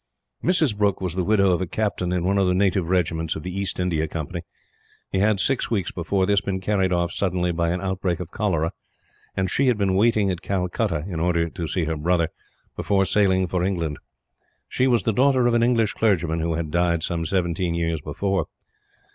Mrs. Brooke was the widow of a captain in one of the native regiments of the East India Company. He had, six weeks before this, been carried off suddenly by an outbreak of cholera; and she had been waiting at Calcutta, in order to see her brother, before sailing for England. She was the daughter of an English clergyman, who had died some seventeen years before.